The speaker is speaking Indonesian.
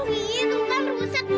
udah udah opi udah udah opi santai santai